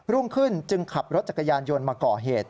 รุ่งขึ้นจึงขับรถจักรยานยนต์มาก่อเหตุ